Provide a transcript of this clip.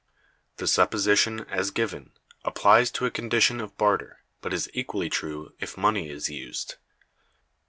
The supposition, as given, applies to a condition of barter, but is equally true if money is used.